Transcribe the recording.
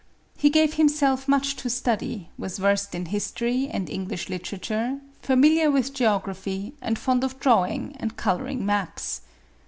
He gave himself much to study, was versed in history and English literature, familiar with geography, and fond of drawing and col oring maps.